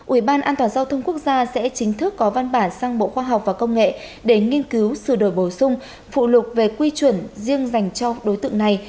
ủy ban an toàn giao thông quốc gia sẽ chính thức có văn bản sang bộ khoa học và công nghệ để nghiên cứu sửa đổi bổ sung phụ lục về quy chuẩn riêng dành cho đối tượng này